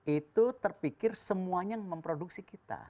itu terpikir semuanya memproduksi kita